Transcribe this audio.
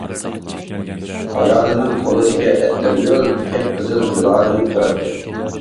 ئايالنىڭ قولىدىكى ئەتىرگۈل قىپقىزىل جۇلالىنىپ تۇراتتى.